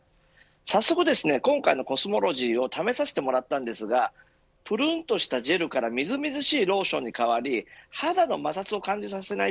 早速ですね、今回のＣＯＳＭＯＬＯＧＹを試させてもらったのですがぷるんとしたジェルからみずみずしいローションに変わり肌の摩擦を感じさせない